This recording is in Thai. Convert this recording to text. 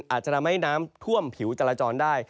อาจจะทำให้น้ำท่วมผิวจราจรได้